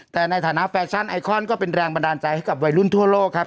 แต่ในฐานะแฟชั่นไอคอนก็เป็นแรงบันดาลใจให้กับวัยรุ่นทั่วโลกครับ